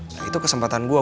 nah itu kesempatan gue